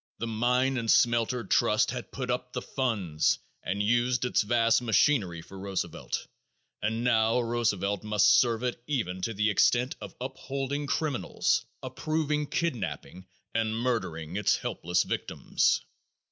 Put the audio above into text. The Mine and Smelter Trust had put up the funds and used its vast machinery for Roosevelt, and now Roosevelt must serve it even to the extent of upholding criminals, approving kidnaping and murdering its helpless victims.